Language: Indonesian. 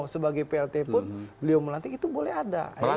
sebagai plt pun beliau melantik itu boleh ada